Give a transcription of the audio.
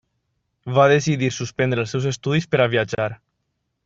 Va decidir suspendre els seus estudis per a viatjar.